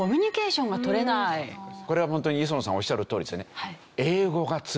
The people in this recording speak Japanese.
これはホントに磯野さんおっしゃるとおりですよね。